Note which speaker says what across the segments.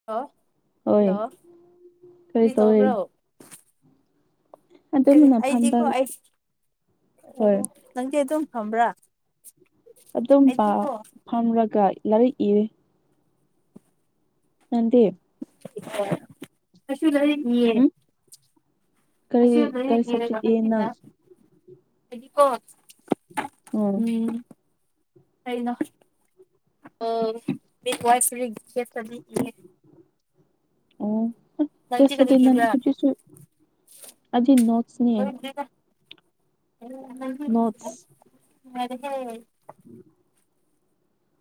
Speaker 1: [unintelligible] Hello
Speaker 2: ꯍꯣꯏ
Speaker 1: ꯀꯔꯤ ꯇꯣꯕ꯭ꯔꯣ ꯀꯔꯤ
Speaker 2: ꯑꯗꯨꯝꯅ ꯐꯝꯕ
Speaker 1: ꯑꯩꯗꯤꯀꯣ ꯑꯩ
Speaker 2: ꯍꯣꯏ
Speaker 1: ꯑꯣ ꯅꯪꯗꯤ ꯑꯗꯨꯝ ꯐꯝꯕ꯭ꯔꯥ
Speaker 2: ꯑꯗꯨꯝ‌ ꯄꯥ
Speaker 1: ꯑꯩꯗꯤꯀꯣ
Speaker 2: ꯐꯝꯔꯒ ꯂꯥꯏꯔꯤꯛ ꯏꯔꯦ ꯅꯪꯗꯤ
Speaker 1: [unintelligible] ꯑꯩꯁꯨ ꯂꯥꯏꯔꯤꯛ ꯏꯌꯦ
Speaker 2: ꯎꯝ ꯀꯔꯤ
Speaker 1: ꯑꯩꯁꯨ ꯂꯥꯏꯔꯤꯛ
Speaker 2: ꯀꯔꯤ
Speaker 1: ꯏꯔꯒ
Speaker 2: ꯁꯕꯖꯦꯛ ꯏꯌꯦ ꯅꯪ
Speaker 1: [unintelligible] ꯑꯩꯗꯤꯀꯣ ꯎꯝ [unintelligible] ꯏꯌꯦ
Speaker 2: ꯑꯣ
Speaker 1: ꯅꯪꯗꯤ ꯀꯔꯤ ꯏꯕ꯭ꯔꯥ
Speaker 2: [unintelligible] ꯑꯩꯗꯤ ꯅꫭꯠꯁꯅꯦ
Speaker 1: ꯂꯣꯏꯗ꯭ꯔꯤꯗ [unintelligible]
Speaker 2: ꯅꫭꯠꯁ
Speaker 1: [unintelligible]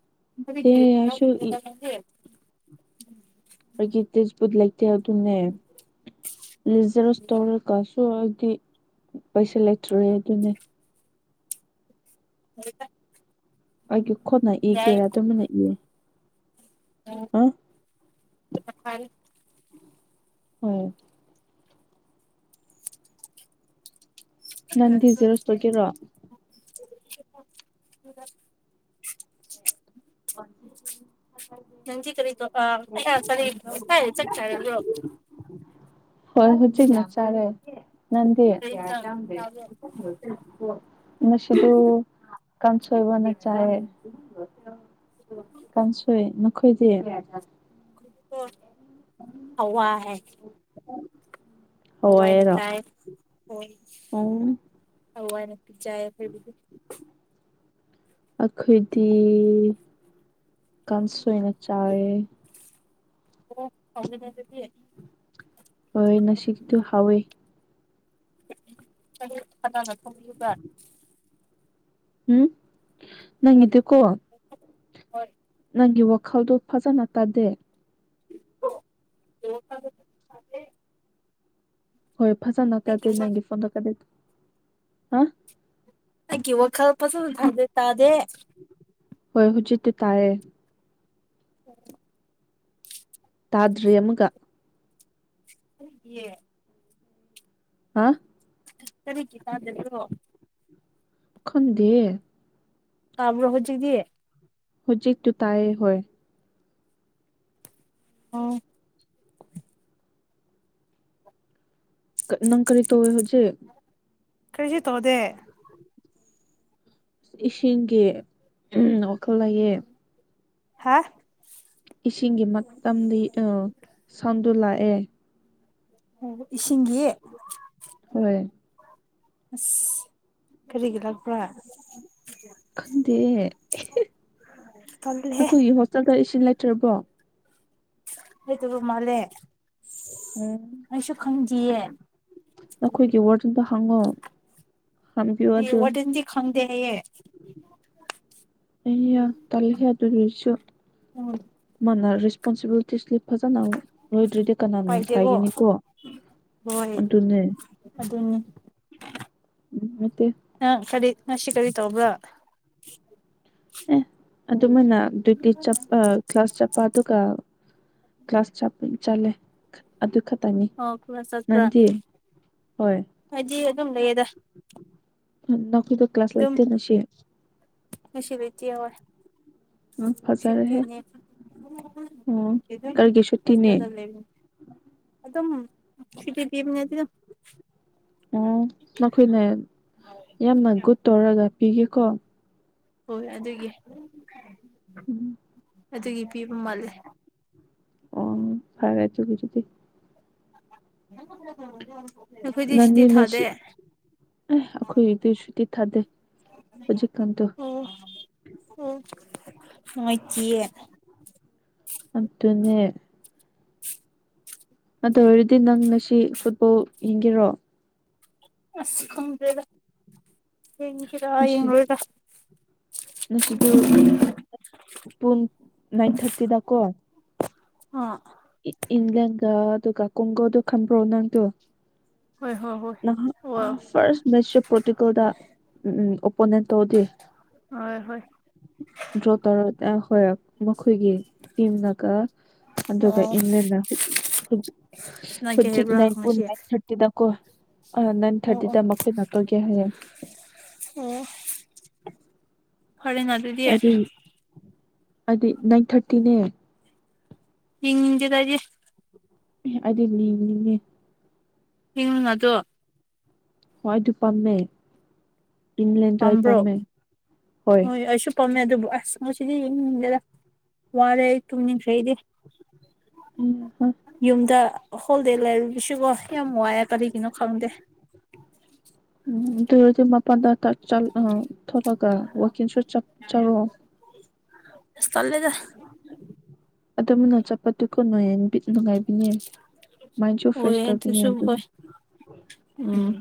Speaker 2: ꯇꯦ ꯑꯩꯁꯨ ꯏ
Speaker 1: [unintelligible]
Speaker 2: ꯑꯩꯒꯤ ꯇꯦꯛꯁꯕꯨꯛ ꯂꯩꯇꯦ ꯑꯗꯨꯅꯦ [unintelligible] [unintelligible] ꯀꯥꯁꯨ ꯍꯥꯏꯗꯤ ꯄꯩꯁꯥ ꯂꯩꯇ꯭ꯔꯦ ꯑꯗꯨꯅꯦ
Speaker 1: [unintelligible]
Speaker 2: ꯑꯩꯒꯤ ꯈꯨꯠꯅ ꯏꯒꯦꯔꯥ ꯇꯨꯃꯤꯟꯅ ꯏꯌꯦ
Speaker 1: [unintelligible]
Speaker 2: ꯑ ꯍꫭꯏ ꯅꯟꯗꯤ ꯖꯦꯔꯣꯁ ꯇꯒꯤꯔꯣ
Speaker 1: [unintelligible] ꯅꯪꯗꯤ ꯀꯔꯤ ꯇꯧ ꯑꯥ [unintelligible] ꯉꯁꯥꯏꯅ ꯆꯛ ꯆꯥꯔꯕ꯭ꯔꯣ
Speaker 2: ꯍꯣꯏ ꯍꯨꯖꯤꯛꯅ ꯆꯥꯔꯦ ꯅꯟꯗꯤ [unintelligible] ꯉꯁꯤꯗꯨ ꯀꯥꯡꯁꯣꯏ ꯑꯣꯢꯅ ꯆꯥꯏꯌꯦ ꯀꯥꯡꯁꯣꯏ ꯅꯈꯣꯏꯗꯤ
Speaker 1: ꯈꯣꯏꯗꯤꯀꯣ ꯍꯋꯥꯏ ꯍꯋꯥꯏꯅ
Speaker 2: ꯍꯋꯥꯏꯔꯣ
Speaker 1: ꯆꯥꯏꯌꯦ ꯍꯣꯏ
Speaker 2: ꯎꯝ
Speaker 1: ꯍꯋꯥꯏꯅꯄꯤ ꯆꯥꯏ ꯑꯈꯣꯏꯒꯤꯗꯤ [unintelligible]
Speaker 2: ꯑꯈꯣꯏꯗꯤ ꯀꯥꯡꯁꯣꯏꯅ ꯆꯥꯌꯦ
Speaker 1: ꯑꯣ ꯍꯥꯥꯎꯅꯦꯗ ꯗꯨꯗꯤ
Speaker 2: ꯍꯣꯏ ꯅꯁꯤꯒꯤꯗꯨ ꯍꯥꯎꯋꯦ
Speaker 1: ꯑꯌꯨꯛ ꯀꯅꯥꯅ ꯊꯣꯡꯕꯤꯕ
Speaker 2: ꯍꯝ ꯅꯪꯒꯤꯗꯨꯀꯣ
Speaker 1: ꯍꯣꯢ
Speaker 2: ꯅꯪꯒꯤ ꯋꯥꯈꯜꯗꯣ ꯐꯖꯅ ꯇꯥꯗꯦ
Speaker 1: [unintelligible]
Speaker 2: ꯍꯣꯏ ꯐꯖꯅ ꯇꯥꯗꯦ ꯅꯪꯒꯤ ꯐꯣꯟꯗꯣ ꯀꯔꯤ ꯍꯥ
Speaker 1: ꯑꯩꯒꯤ ꯋꯥꯈꯜ ꯐꯖꯅ ꯊꯥꯗꯦ ꯇꯥꯗꯦ
Speaker 2: ꯍꯣꯏ ꯍꯨꯖꯤꯠꯇꯤ ꯇꯥꯌꯦ
Speaker 1: [unintelligible]
Speaker 2: ꯇꯥꯗ꯭ꯔꯤ ꯑꯃꯨꯛꯀ
Speaker 1: ꯑꯣ ꯌꯦ
Speaker 2: ꯍꯥꯥ
Speaker 1: ꯀꯔꯤꯒꯤ ꯇꯥꯗꯕ꯭ꯔꯣ
Speaker 2: ꯈꯟꯗꯦꯌꯦ
Speaker 1: ꯇꯥꯕ꯭ꯔꯣ ꯍꯨꯖꯤꯛꯗꯤ
Speaker 2: ꯍꯨꯖꯤꯛꯇꯨ ꯇꯥꯌꯦ ꯍꯣꯏ
Speaker 1: ꯑꯣ
Speaker 2: ꯀ ꯅꯪ ꯀꯔꯤ ꯇꯧꯋꯦ ꯍꯨꯖꯤꯛ
Speaker 1: ꯀ꯭ꯔꯤꯁꯨ ꯇꯧꯗꯦ
Speaker 2: ꯏꯁꯤꯡꯒꯤ ꯋꯥꯈꯜ ꯂꯩꯌꯦ
Speaker 1: ꯍꯥ
Speaker 2: ꯏꯁꯤꯡꯒꯤ ꯃꯇꯝꯗꯤ ꯑꯣ ꯁꯥꯎꯟꯗꯨ ꯂꯥꯑꯦ
Speaker 1: ꯑꯣ ꯏꯁꯤꯡꯒꯤ
Speaker 2: ꯍꯣꯏ
Speaker 1: ꯑꯁ ꯀꯔꯤꯒꯤ ꯂꯥꯛꯕ꯭ꯔꯥ
Speaker 2: ꯈꯪꯗꯦꯌꯦ
Speaker 1: ꯇꯜꯂꯦꯍꯦ
Speaker 2: ꯅꯈꯣꯏꯒꯤ ꯍꯣꯁꯇꯦꯜꯗ ꯏꯁꯤꯡ ꯂꯩꯇ꯭ꯔꯕꯣ
Speaker 1: ꯂꯩꯇꯕ ꯃꯥꯂꯦ
Speaker 2: ꯎꯝ ꯅꯈꯣꯏꯒꯤ ꯋꯥꯔꯗꯦꯟꯗ ꯍꯪꯉꯣ ꯍꯪꯕꯤꯌꯣ
Speaker 1: ꯑꯦ
Speaker 2: ꯑꯗꯨ
Speaker 1: ꯋꯥꯔꯗꯦꯟꯗꯤ ꯈꯪꯗꯦ ꯍꯥꯢꯌꯦ
Speaker 2: ꯑꯩꯌ ꯇꯜꯂꯤꯍꯦ ꯑꯗꯨꯗꯤ ꯑꯩꯁꯨ
Speaker 1: ꯑꯣꯢ
Speaker 2: ꯃꯥꯅ ꯔꯦꯁꯄꯣꯟꯁꯤꯕꯤꯂꯤꯇꯤꯁꯂꯤ ꯐꯖꯅ ꯂꯣꯏꯗ꯭꯭ꯔꯗꯤ ꯀꯅꯥꯅ
Speaker 1: ꯄꯥꯏꯗꯦꯀꯣ
Speaker 2: ꯄꯥꯏꯒꯅꯤꯀꯣ
Speaker 1: ꯍꯣꯏ
Speaker 2: ꯑꯗꯨꯅꯦ
Speaker 1: ꯑꯗꯨꯅꯤ
Speaker 2: ꯅꯠꯇꯦ
Speaker 1: ꯑꯪ ꯀꯔꯤ ꯉꯁꯤ ꯀꯔꯤ ꯇꯧꯕ꯭ꯔꯥ
Speaker 2: ꯑꯦ ꯑꯗꯨꯃꯥꯏꯅ ꯗꯨꯗꯤ ꯆꯞꯄ ꯀ꯭ꯂꯥꯁ ꯆꯞꯄ ꯑꯗꯨꯒ ꯀ꯭ꯂꯥꯁ ꯆꯥꯄ ꯆꯠꯂꯦ ꯑꯗꯨ ꯈꯛꯇꯪꯅꯤ
Speaker 1: ꯑꯣ ꯀ꯭ꯂꯥꯁ ꯆꯠꯄ꯭ꯔꯥ
Speaker 2: ꯅꯟꯗꯤ ꯍꯣꯏ
Speaker 1: ꯑꯩꯗꯤ ꯑꯗꯨꯝ ꯂꯩꯌꯦꯗ
Speaker 2: ꯅꯈꯣꯏꯗꯨ ꯀ꯭ꯂꯥꯁ
Speaker 1: ꯑꯗꯨꯝ
Speaker 2: ꯂꯩꯇꯦ ꯉꯁꯤ
Speaker 1: ꯉꯁꯤ ꯂꯩꯇꯦꯑꯣꯢ
Speaker 2: ꯎꯝ ꯐꯖꯔꯦꯍꯦ
Speaker 1: ꯁꯨꯇꯤꯅꯤ
Speaker 2: ꯑꯣ ꯀꯔꯤꯒꯤ
Speaker 1: [unintelligible]
Speaker 2: ꯁꯨꯇꯤꯅꯦ
Speaker 1: ꯍꯣꯁꯇꯦꯜꯗ ꯂꯩꯕꯅꯤ ꯑꯗꯨꯝ ꯁꯤꯒꯤꯗꯤꯝꯅꯗꯤꯅꯣ
Speaker 2: ꯑꯣ ꯃꯈꯣꯏꯅ ꯌꯥꯝꯅ ꯒꯨꯗ ꯇꯧꯔꯒ ꯄꯤꯒꯦꯀꯣ
Speaker 1: ꯍꯣꯏ ꯑꯗꯨꯒꯤ
Speaker 2: ꯎꯝ
Speaker 1: ꯑꯗꯨꯒꯤ ꯄꯤꯕ ꯃꯥꯜꯂꯦ
Speaker 2: ꯑꯣ ꯐꯔꯦ ꯑꯗꯨꯒꯤ ꯗꯨꯗꯤ
Speaker 1: ꯅꯈꯣꯏꯗꯤ ꯁꯤꯇꯤ
Speaker 2: ꯅꯪꯗꯤ ꯅꯁꯤ
Speaker 1: ꯊꯥꯗꯦ
Speaker 2: ꯑꯦ ꯑꯩꯈꯣꯏꯒꯤꯗꯤ ꯁꯨꯇꯤ ꯊꯥꯗꯦ ꯍꯧꯖꯤꯛꯀꯥꯟꯗꯨ
Speaker 1: ꯎꯝ [unintelligible]
Speaker 2: ꯑꯗꯨꯅꯦ ꯑꯗꯨ ꯑꯣꯏꯔꯗꯤ ꯅꯪ ꯉꯁꯤ ꯐꯨꯠꯕꯣꯜ ꯌꯦꯡꯒꯦꯔꯣ
Speaker 1: ꯑ ꯈꯦꯗ꯭ꯦꯔꯗꯦꯗ [unintelligible]
Speaker 2: ꯉꯁꯤ
Speaker 1: ꯌꯦꯡꯔꯣꯏꯗ
Speaker 2: ꯉꯁꯤꯗꯨ ꯄꯨꯡ ꯅꯥꯏꯟ ꯊꯥꯔꯇꯤꯗꯀꯣ
Speaker 1: ꯑꯥ
Speaker 2: ꯏꯪꯂꯪꯂꯦꯟꯒ ꯑꯗꯨꯒ ꯀꯨꯡꯒꯣꯗꯨ ꯈꯟꯕ꯭ꯔꯣ ꯅꯪꯗꯨꯣ
Speaker 1: ꯍꯣꯏ ꯍꯣꯏ ꯍꯣꯏ
Speaker 2: ꯅꯍꯥꯛ
Speaker 1: ꯑꯣ
Speaker 2: ꯐꯥꯔꯁ ꯃꯦꯠꯁꯦ ꯄꯣꯔꯇꯨꯒꯜꯗ ꯎ ꯑꯣꯄꯣꯅꯦꯟ ꯇꯧꯗꯦ
Speaker 1: ꯍꯣꯏ ꯍꯣꯏ
Speaker 2: ꯗ꯭ꯔꯣ ꯇꯧꯔ [unintelligible] ꯍꯣꯏ ꯃꯈꯣꯏꯒꯤ ꯇꯤꯝꯅꯒ ꯑꯗꯨꯒ
Speaker 1: ꯑꯣ
Speaker 2: ꯏꯪꯂꯦꯟꯅ
Speaker 1: ꯁꯥꯟꯅꯒꯦ
Speaker 2: ꯍꯧꯖꯤꯛ
Speaker 1: ꯍꯥꯏꯕ꯭ꯔꯥ
Speaker 2: ꯅꯥꯏꯟꯄꯨ
Speaker 1: ꯉꯁꯤ
Speaker 2: ꯅꯥꯏꯟ ꯊꯥꯔꯇꯤꯗꯀꯣ ꯑ ꯅꯥꯏꯟ
Speaker 1: ꯑꯣ ꯑꯣ
Speaker 2: ꯊꯥꯔꯇꯤꯗ ꯃꯈꯣꯏꯅꯥꯛ ꯇꯧꯒꯦ ꯍꯥꯏꯌꯦ
Speaker 1: ꯑꯣ ꯐꯔꯦꯅ ꯑꯗꯨ
Speaker 2: ꯑꯗꯨꯗꯤ ꯑꯗꯨꯗꯤ ꯅꯥꯏꯟ ꯊꯥꯔꯇꯤꯅꯦ
Speaker 1: ꯌꯦꯡꯅꯤꯡꯗꯦꯗ ꯑꯩꯗꯤ
Speaker 2: ꯑꯩꯗꯤ ꯌꯦꯡꯅꯤꯡꯉꯦ
Speaker 1: ꯍꯤꯡ ꯑꯗꯣ
Speaker 2: ꯍꯣꯏ ꯑꯗꯨ ꯄꯥꯝꯃꯦ ꯏꯪꯂꯂꯦꯟꯁꯨ ꯑꯩ ꯄꯥꯝꯃꯦ ꯍꯣꯏ
Speaker 1: ꯄꯝꯃꯦ ꯑꯗꯨꯕꯨ ꯑꯁ ꯉꯁꯤꯗꯤ ꯌꯦꯡꯅꯤꯡꯗꯦꯗ ꯋꯥꯔꯦ ꯑꯩ ꯇꯨꯡꯅꯤꯡꯈ꯭ꯔ ꯑꯩꯗꯤ
Speaker 2: ꯎꯝ ꯎꯝ
Speaker 1: ꯌꯨꯝꯗ ꯍꯣꯜꯗꯦ ꯂꯩꯔꯨꯁꯤꯕꯣ ꯌꯥꯝ ꯋꯥꯏꯑꯦ ꯀꯔꯤꯒꯤꯅꯣ ꯈꯪꯗꯦ
Speaker 2: ꯎꯝ ꯑꯗꯨꯔꯗꯤ ꯃꯄꯥꯟꯗ ꯆꯠꯂꯒ ꯊꯣꯛꯂꯛꯒ ꯋꯥꯛꯀꯤꯡꯁꯨ ꯆꯠ ꯆꯔꯣ
Speaker 1: ꯇꯂꯦꯗ
Speaker 2: ꯑꯗꯨ ꯃꯅ ꯆꯠꯄꯗꯨ ꯀꯨ ꯅꯨꯌꯦ ꯅꯨꯡꯉꯥꯏꯕꯤꯅꯦ ꯃꯥꯏꯟꯁꯨ
Speaker 1: ꯍꯣꯏ
Speaker 2: ꯐ꯭ꯔꯦꯁ ꯇꯧꯗꯨꯏꯅꯦ
Speaker 1: ꯑꯗꯨꯁꯨ
Speaker 2: ꯑꯗꯨꯝ
Speaker 1: ꯍꯣꯏ ꯎꯝ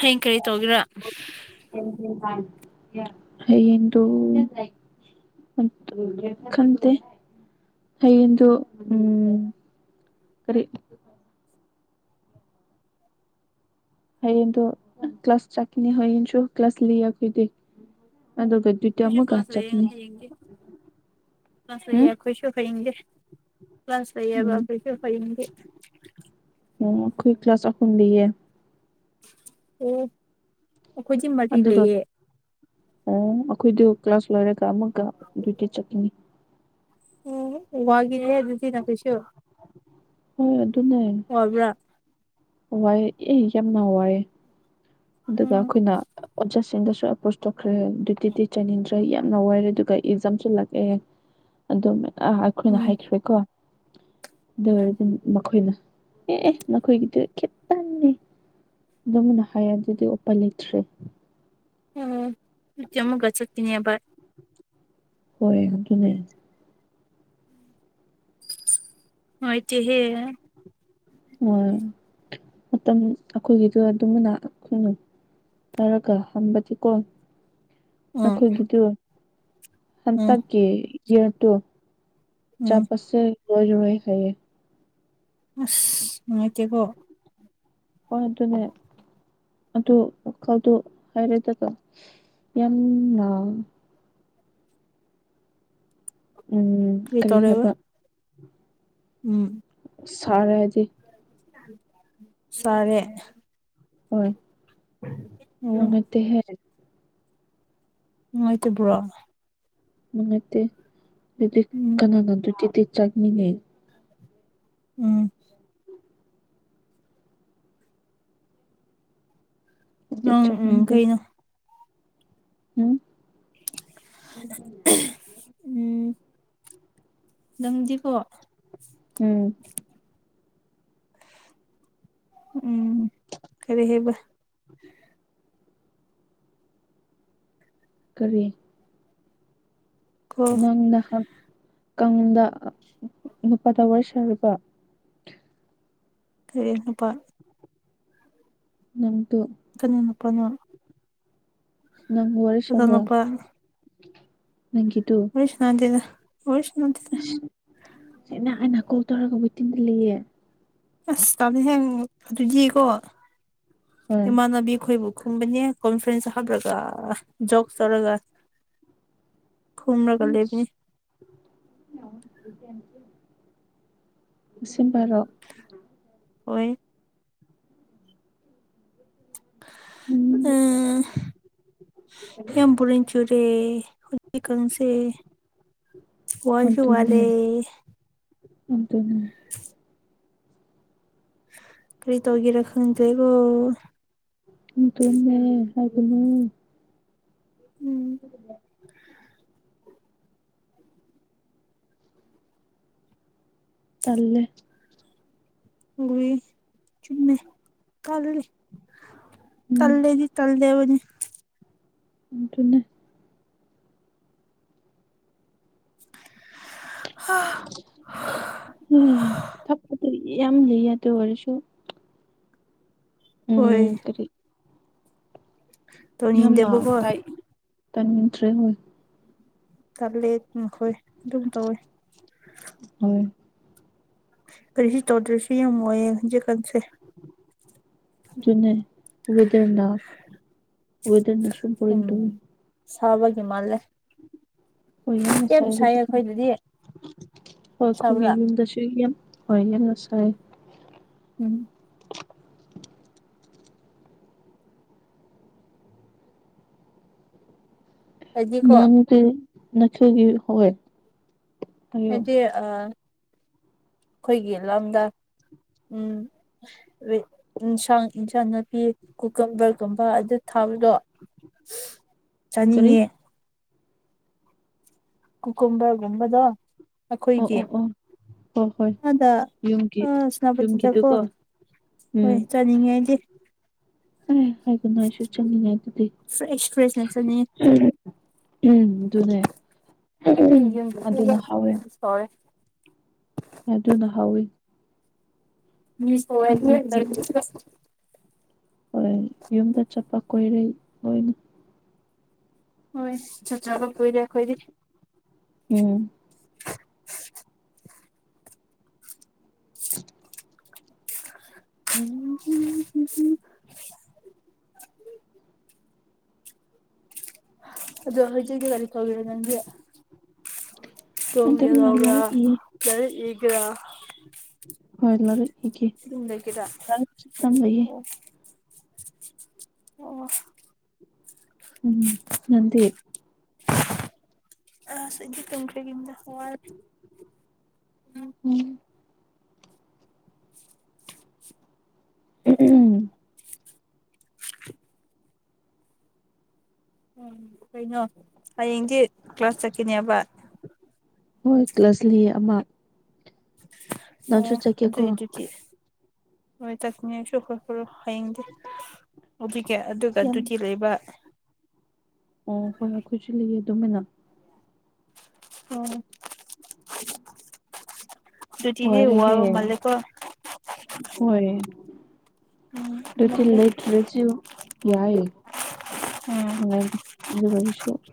Speaker 1: ꯍꯌꯦꯡ ꯀꯔꯤ ꯇꯧꯒꯔꯥ
Speaker 2: ꯍꯌꯦꯡꯗꯣ ꯈꯪꯗꯦ ꯍꯌꯦꯡꯗꯨ ꯎꯝ ꯀꯔꯤ? ꯍꯌꯦꯡꯗꯨ ꯀ꯭ꯂꯥꯁ ꯆꯠꯀꯅꯤ ꯍꯌꯦꯡꯁꯨ ꯀ꯭ꯂꯥꯁ ꯂꯩ ꯑꯩꯈꯣꯏꯗꯤ ꯑꯗꯨꯒ ꯗ꯭ꯌꯨꯇꯤ
Speaker 1: ꯑꯩꯈꯣꯏꯁꯨ
Speaker 2: ꯑꯃꯨꯛꯀ
Speaker 1: ꯀ꯭ꯂꯥꯁ ꯂꯩꯌꯦ
Speaker 2: ꯆꯠꯀꯅꯤ
Speaker 1: ꯍꯌꯦꯡꯗꯤ ꯀ꯭ꯂꯥꯁ ꯂꯩꯌꯦ
Speaker 2: ꯎꯝ
Speaker 1: ꯑꯩꯈꯣꯏꯁꯨ ꯍꯌꯦꯡꯗꯤ꯫ ꯀ꯭ꯂꯥꯁ ꯂꯩꯌꯦꯕ ꯑꯩꯩꯈꯣꯏꯁꯨ ꯍꯌꯦꯡꯗꯤ꯫
Speaker 2: ꯑꯣ ꯑꯩꯈꯣꯏ ꯀ꯭ꯂꯥꯁ ꯑꯄꯨꯟꯗꯤꯌꯦ꯫
Speaker 1: ꯑꯣ ꯑꯩꯈꯣꯏꯗꯤ ꯃꯔꯤ
Speaker 2: ꯑꯗꯨꯒ
Speaker 1: ꯂꯩꯌꯦ꯫
Speaker 2: ꯑꯣ ꯑꯩꯈꯣꯏꯗꯨ ꯀ꯭ꯂꯥꯁ ꯂꯣꯏꯔꯒ ꯑꯃꯨꯛꯀ ꯑꯗꯨꯏꯇ ꯆꯠꯀꯅꯤ꯫
Speaker 1: ꯎꯝ ꯋꯥꯒꯤꯅꯦ ꯑꯗꯨꯗꯤꯅ ꯀꯩꯁꯨ꯫
Speaker 2: ꯍꯣꯏ ꯑꯗꯨ ꯅꯦ ꯫
Speaker 1: ꯋꯕ꯭ꯔꯥ?
Speaker 2: ꯋꯥꯏ ꯑꯦ ꯌꯥꯝꯅ ꯋꯥꯏꯑꯦ ꯑꯗꯨꯒ
Speaker 1: ꯎꯝ
Speaker 2: ꯑꯩꯈꯣꯏꯅ ꯑꯣꯖꯥꯁꯤꯡꯗꯁꯨ ꯑꯦꯄꯔ꯭ꯣꯁ ꯊꯣꯛꯈ꯭ꯔꯦ ꯗꯤꯎꯇꯤꯗꯤ ꯆꯅꯤꯡꯗ꯭ꯔꯦ꯫ ꯌꯥꯝꯅ ꯋꯥꯏꯔꯦ ꯑꯗꯨꯒ ꯑꯦꯛꯖꯥꯝꯁꯨꯂꯥꯛꯑꯦ ꯑꯗꯨ ꯑꯩꯈꯣꯏꯅ
Speaker 1: ꯎꯝ
Speaker 2: ꯍꯥꯏꯈ꯭ꯔꯦꯀꯣ꯫ ꯑꯗꯨ ꯑꯣꯏꯔꯗꯤ ꯃꯈꯣꯏꯅ ꯑꯦ ꯅꯈꯣꯏꯒꯤꯗꯤ꯫ ꯈꯤꯇꯅꯤ ꯅꯪꯅ ꯍꯥꯏꯗꯨꯗꯤ ꯎꯄꯤꯢ ꯂꯩꯇ꯭ꯔꯦ꯫
Speaker 1: ꯑꯣ ꯆꯃꯒꯁꯛꯇꯅꯤꯕꯕꯥ [unintelligible]
Speaker 2: ꯍꯣꯏ ꯑꯗꯨꯅꯦ꯫
Speaker 1: ꯅꯨꯡꯉꯥꯢꯇꯦꯍꯦ꯫
Speaker 2: ꯍꯣꯏ ꯃꯇꯝ ꯑꯩꯈꯣꯏꯒꯤꯗꯨ ꯑꯗꯨꯝꯕꯅ ꯑꯩꯈꯣꯢꯅ꯫ ꯇꯥꯔꯒ ꯍꯟꯕꯗꯤꯀꯣ
Speaker 1: ꯎꯝ
Speaker 2: ꯅꯈꯣꯏꯒꯤꯗꯨ
Speaker 1: ꯎꯝ
Speaker 2: ꯍꯟꯇꯛ꯫ ꯀ ꯏꯔ ꯇꯣ
Speaker 1: ꯎꯝ
Speaker 2: ꯆꯥꯄꯁꯦ ꯑꯣꯢꯔꯔꯣꯢ ꯍꯥꯏꯌꯦ꯫
Speaker 1: ꯑꯁ ꯅꯨꯡꯉꯥꯏꯇꯦꯀꯣ꯫
Speaker 2: ꯍꯣ ꯑꯗꯨꯅꯦ꯫ ꯑꯗꯨ ꯋꯥꯈꯜꯗꯣ ꯍꯥꯏꯔꯦꯗꯒ ꯌꯥꯝꯅ꯫ ꯎꯝ ꯀꯔꯤ ꯍꯥꯏꯕ?
Speaker 1: ꯎꯝ꯫
Speaker 2: ꯁꯥꯔꯦꯗꯤ꯫
Speaker 1: ꯁꯤꯔꯦ꯫
Speaker 2: ꯍꯣꯏ
Speaker 1: ꯑꯣ
Speaker 2: ꯅꯨꯡꯉꯥꯢꯇꯦꯍꯦ꯫
Speaker 1: ꯅꯨꯡꯉꯥꯢꯇꯕ꯭ꯔꯣ?
Speaker 2: ꯅꯨꯡꯉꯥꯏꯇꯦ ꯑꯗꯨꯗꯤ
Speaker 1: ꯎꯝ
Speaker 2: ꯀꯅꯥ ꯉꯝꯗ꯭ꯔꯒꯗꯤ ꯆꯥꯛꯃꯤꯟꯅꯩ?
Speaker 1: ꯎꯝ꯫
Speaker 2: ꯑꯗꯨꯗꯤ
Speaker 1: ꯅꯪ ꯎꯝ
Speaker 2: ꯆꯠꯅꯤꯡꯗꯦ
Speaker 1: ꯀꯩꯅꯣ?
Speaker 2: ꯎꯝ꯫
Speaker 1: ꯎꯝ ꯅꯪꯗꯤꯀꯣ꯫
Speaker 2: ꯎꯝ꯫
Speaker 1: ꯎꯝ ꯀꯔꯤ ꯍꯥꯢꯕ?
Speaker 2: ꯀꯔꯤ?
Speaker 1: ꯀꯣ
Speaker 2: ꯅꯪ ꯅꯍꯥꯟ ꯀꯥꯡꯗ ꯅꯨꯨꯄꯥꯒ ꯋꯥꯔꯤ ꯁꯥꯔꯨꯕ꯭ꯔꯣ?
Speaker 1: ꯍꯦ ꯅꯨꯄꯥ꯫
Speaker 2: ꯅꯪꯗꯨꯣ꯫
Speaker 1: ꯀꯅꯥꯢ ꯅꯨꯄꯥꯅꯣ ꯀꯅꯥ ꯅꯨꯄꯥ?
Speaker 2: ꯅꯪꯒꯤꯗꯣ꯫
Speaker 1: ꯋꯥꯔꯤ ꯁꯥꯅꯗꯦꯗ꯫
Speaker 2: ꯑꯁ ꯁꯤ ꯑꯩꯅ ꯀꯣꯜ ꯇꯧꯔꯒ ꯋꯦꯇꯤꯡ ꯂꯩꯌꯦ꯫
Speaker 1: ꯑꯁ ꯇꯥꯅꯤ ꯍꯦꯡ ꯑꯗꯨꯗꯤꯀꯣ
Speaker 2: ꯍꯣꯏ
Speaker 1: ꯏꯃꯥꯟꯅꯕꯤ ꯑꯩꯈꯣꯏꯕꯨ ꯈꯨꯝꯕꯅꯦ ꯀꯣꯟꯐꯔꯦꯟꯁ ꯍꯥꯕꯂꯒ ꯖꯣꯛꯁ ꯆꯠꯂꯒ ꯈꯨꯃꯔꯒ ꯂꯩꯕꯅꯦ
Speaker 2: ꯁꯤꯝꯚꯔꯣ
Speaker 1: ꯍꯣꯏ
Speaker 2: ꯎꯝ
Speaker 1: ꯑ ꯌꯥꯝꯕꯣꯔꯤꯡ ꯆꯨꯔꯦ ꯍꯧꯖꯤꯛꯀꯥꯟꯁꯦ ꯋꯥꯁꯨ
Speaker 2: ꯑꯗꯨꯅꯦ
Speaker 1: ꯋꯥꯔꯦ
Speaker 2: ꯑꯗꯨꯅꯦ
Speaker 1: [inaudible] [unintelligible] ꯀꯔꯤ ꯇꯧꯔꯤꯒꯦꯔ ꯈꯪꯗ꯭ꯔꯦꯕꯣ
Speaker 2: ꯇꯨꯝꯃꯦ ꯍꯥꯏꯒꯅꯣ
Speaker 1: ꯎꯝ
Speaker 2: ꯎ [unintelligible] ꯇꯜꯂꯦ
Speaker 1: ꯍꯣꯏ ꯆꯨꯃꯦ ꯀꯂꯂꯤ
Speaker 2: ꯎꯝ
Speaker 1: ꯇꯜꯂꯦꯗꯤ ꯇꯜꯂꯦꯕꯅꯤ
Speaker 2: ꯎꯇꯅ [unintelligible]
Speaker 1: ꯍꯥ
Speaker 2: ꯊꯛꯄꯗꯤ ꯌꯥꯝ ꯂꯩꯌꯦ ꯑꯗꯨ ꯑꯣꯏꯔꯁꯨ ꯎꯝ ꯀꯔꯤ
Speaker 1: ꯇꯧꯅꯤꯡꯗꯦꯕ ꯀꯣ
Speaker 2: ꯇꯟꯅꯤꯡꯗꯊ꯭ꯔꯦ ꯍꯣꯏ
Speaker 1: ꯇꯂꯦ ꯃꯈꯣꯏ ꯑꯗꯨꯝ ꯇꯧꯋꯦ
Speaker 2: ꯍꯣꯏ
Speaker 1: ꯀꯔꯤꯁꯨ ꯇꯧꯗ꯭ꯔꯁꯨ ꯌꯥꯝ ꯋꯥꯌꯦ ꯍꯧꯪꯖꯤꯛꯀꯥꯟꯁꯦ
Speaker 2: ꯎꯋꯗ ꯅ ꯎꯋꯗ ꯅ ꯁꯄꯣꯔ
Speaker 1: ꯎꯝ
Speaker 2: ꯇ [unintelligible] [unintelligible]
Speaker 1: ꯁꯥꯕꯒꯤ ꯃꯜ ꯂꯦ
Speaker 2: ꯍꯣꯏ ꯌꯥꯝꯅꯁꯥꯏ ꯍꯧꯖꯤ ꯍꯣꯏ
Speaker 1: ꯑꯩꯈꯣꯏꯗꯗꯤ
Speaker 2: ꯑꯩꯈꯣꯏꯒꯤ
Speaker 1: ꯁꯥꯕ꯭ꯔꯥ
Speaker 2: ꯌꯨꯝꯗꯁꯨ ꯌꯥꯝ [unintelligible] ꯍꯣꯏ ꯌꯥꯝꯅ ꯁꯥꯏ
Speaker 1: ꯎꯝ ꯑꯩꯗꯤꯀꯣ
Speaker 2: ꯅꯗꯤ ꯅꯈꯩꯒꯤ ꯍꯣꯏ [unintelligible] ꯍꯥꯏꯌꯣ
Speaker 1: ꯍꯥꯏꯗꯤ ꯑꯃꯥ ꯑꯩꯈꯣꯏꯒꯤ ꯂꯝꯗ ꯎꯝ ꯏꯟꯁꯥꯡ ꯏꯟꯁꯥꯡ ꯅꯥꯄꯤ ꯀꯨꯀꯝꯕꯔ ꯒꯨꯝꯕ ꯑꯗꯨ ꯊꯥꯕꯗꯣ ꯆꯥꯅꯤꯡꯉꯦ
Speaker 2: ꯀꯔꯤ
Speaker 1: ꯀꯨꯀꯨꯃꯕꯔ ꯒꯨꯝꯕꯗꯣ
Speaker 2: ꯑꯣ
Speaker 1: ꯑꯩꯈꯣꯏꯒꯤ
Speaker 2: ꯑꯣ ꯑꯣ ꯍꯣꯏ ꯍꯣꯏ
Speaker 1: ꯑꯥꯗ
Speaker 2: ꯌꯨꯝꯒꯤ
Speaker 1: ꯑ ꯁꯦꯅꯥꯄꯇꯤꯗꯀꯣ
Speaker 2: ꯌꯨꯝꯒꯤꯗꯨꯀꯣ ꯎꯝ
Speaker 1: ꯌꯦꯡꯉꯥꯏꯗꯦ [inaudible] [unintelligible]
Speaker 2: ꯑꯦ ꯍꯥꯏꯒꯅꯥꯁꯨꯁꯨ ꯆꯅꯤꯡꯉ ꯑꯗꯨꯗꯤ
Speaker 1: ꯐ꯭ꯔꯦꯁ ꯐ꯭ꯔꯦꯁꯅ ꯆꯥꯅꯤꯡꯉꯦ
Speaker 2: [unintelligible] ꯎꯝ ꯑꯗꯨꯅꯦ
Speaker 1: ꯑꯩꯗꯤ ꯌꯦꯡꯗ꯭ꯔꯁꯨ ꯌꯥꯔꯦ
Speaker 2: ꯑꯗꯨꯅ ꯍꯥꯎꯋꯦ
Speaker 1: ꯇꯧꯔꯦ [unintelligible]
Speaker 2: ꯑꯗꯨꯅ ꯍꯥꯎꯋꯤ
Speaker 1: ꯃꯤ ꯁꯣ
Speaker 2: ꯑꯩ ꯌꯨꯝꯗ
Speaker 1: [unintelligible]
Speaker 2: ꯍꯣꯏ ꯌꯨꯝꯗ ꯆꯠꯄ ꯀꯣꯏꯔꯩ ꯂꯣꯏꯅ
Speaker 1: ꯍꯣꯏ ꯆꯠꯆꯕ ꯀꯨꯏꯔꯦ ꯑꯩꯈꯣꯏꯗꯤ
Speaker 2: ꯎꯝ [inaudible]
Speaker 1: ꯎꯝ [unintelligible] ꯑꯗꯣ ꯍꯧꯖꯤꯛꯇꯤ ꯀꯔꯤꯇꯧꯒꯤꯔꯥ ꯅꯪꯗꯤ
Speaker 2: ꯑꯗꯨꯝꯅ ꯂꯥꯏꯔꯤꯛ ꯏꯌꯦ
Speaker 1: [unintelligible] ꯂꯥꯏꯔꯤꯛ ꯏꯒꯦꯔꯥ
Speaker 2: ꯍꯣꯏ ꯂꯔꯤꯛ ꯏꯒꯦ
Speaker 1: ꯑꯗꯨꯝ ꯂꯩꯒꯦꯔꯥ
Speaker 2: ꯂꯔꯤꯛ ꯈꯤꯇꯪ ꯂꯩꯌ°
Speaker 1: ꯑꯣ ꯑꯣ
Speaker 2: ꯎꯝ ꯅꯪꯗꯤ
Speaker 1: ꯑꯁ ꯑꯩꯗꯤ ꯇꯨꯝꯈꯔꯒꯦꯗ ꯋꯥꯔꯦ ꯎꯝ
Speaker 2: ꯎꯟ
Speaker 1: [inaudible]
Speaker 2: ꯎꯃꯨꯛ ꯎꯝ [inaudible]
Speaker 1: ꯎꯝ ꯀꯩꯅꯣ ꯍꯌꯦꯡꯗꯤ ꯀ꯭ꯂꯥꯁ ꯆꯠꯀꯅꯤꯍꯥꯏꯕ
Speaker 2: ꯍꯣꯏ ꯀ꯭ꯂꯁ ꯂꯩꯌꯦ ꯑꯃꯥ ꯅꯪꯁꯨ
Speaker 1: ꯑꯣ
Speaker 2: ꯆꯠꯀꯦꯀꯣ
Speaker 1: ꯑꯗꯨꯏ ꯗꯨꯇꯤ ꯍꯣꯏ ꯆꯠꯀꯅꯤ ꯑꯩꯁꯨ ꯍꯔ ꯍꯔꯣ ꯍꯌꯦꯡꯗꯤ ꯑꯥꯗꯨꯒꯤ ꯑꯗꯨꯒ
Speaker 2: ꯌꯥꯝ
Speaker 1: ꯑꯗꯨꯗꯤ ꯂꯩꯕ
Speaker 2: ꯑꯣ ꯑꯩꯈꯣꯏ ꯑꯩꯈꯣꯏꯁꯨ ꯂꯤ [unintelligible] ꯇꯨꯃꯤꯟꯅ
Speaker 1: ꯑꯣ ꯗꯨꯇꯤꯗꯤ
Speaker 2: ꯋꯥꯔꯦꯚꯦ
Speaker 1: ꯋꯥꯕ ꯃꯥꯜꯂꯦꯀꯣ
Speaker 2: ꯍꯣꯌꯦ
Speaker 1: ꯎꯝ
Speaker 2: ꯑꯗꯨꯗꯤ ꯂꯩꯇꯔꯖꯨ ꯌꯥꯏ
Speaker 1: ꯎꯝ
Speaker 2: ꯅꯨꯪꯅꯥꯏ ꯕꯤꯠ ꯑꯩꯁꯨ [unintelligible]